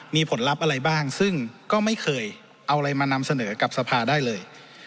มีผลลัพธ์อะไรบ้างซึ่งก็ไม่เคยเอาอะไรมานำเสนอกับสภาได้เลย